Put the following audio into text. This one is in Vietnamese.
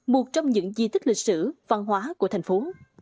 một trong những di tích lịch sử văn hóa của thành phố